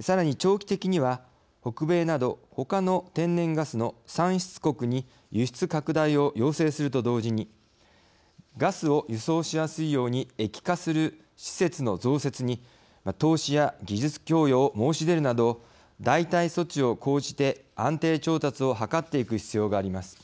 更に長期的には北米などほかの天然ガスの産出国に輸出拡大を要請すると同時にガスを輸送しやすいように液化する施設の増設に投資や技術供与を申し出るなど代替措置を講じて安定調達を図っていく必要があります。